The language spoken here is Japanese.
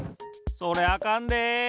それあかんで！